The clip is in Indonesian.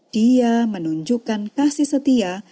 dia menunjukkan kasih setia